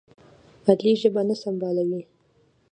علي ژبه نه سنبالوي.